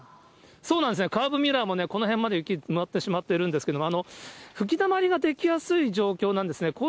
そうなんですね、カーブミラーもこの辺まで、雪に埋まってしまっているんですけれども、吹きだまりが出来やすい状況なんですね。